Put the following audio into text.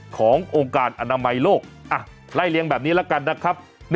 ขององค์การอนามัยโลกไล่เลี้ยงแบบนี้แล้วกันนะครับ